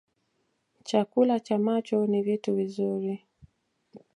Chakula cha macho ni vitu vizuri